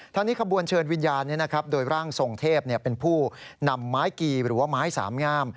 ทั้งนี้ขบวนเชิญวิญญาณโดยร่างทรงเทพเป็นผู้นำไม้กีหรือว่าไม้สามงาม